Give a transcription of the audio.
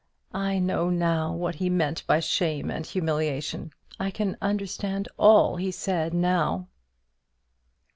I know now what he meant by shame and humiliation; I can understand all he said now."